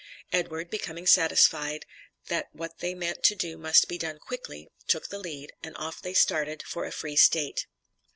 Edward, becoming satisfied that what they meant to do must be done quickly, took the lead, and off they started for a free State.